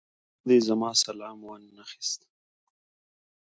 پخوا دې زما سلام نه اخيست.